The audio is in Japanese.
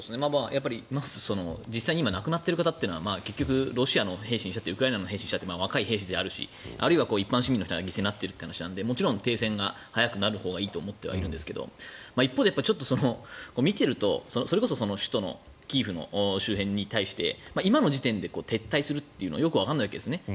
まず、実際に今亡くなっている方というのは結局ロシアの兵士にしたってウクライナの兵士にしたって若い兵士であるしあるいは一般市民の人が犠牲になっているという話なのでもちろん停戦が早くなるほうがいいと思っているんですけど一方で見ているとそれこそ首都キエフの周辺に対して今の時点で撤退するというのはよくわからないんです。